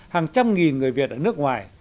hàng trăm nghìn người việt ở nước ngoài